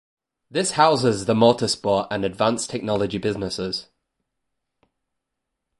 This houses the Motorsport and Advanced Technology businesses.